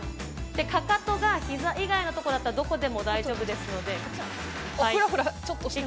かかとがひざ以外のところならどこでも大丈夫ですので。